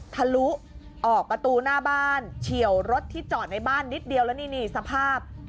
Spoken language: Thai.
ทะลุออกประตูหน้าบ้านเฉียวรถที่จอดในบ้านนิดเดียวแล้วนี่สภาพ